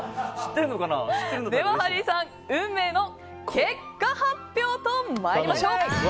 では、ハリーさん運命の結果発表と参りましょう。